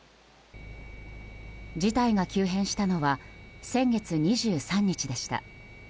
事態が急変したのは先月２３日でした。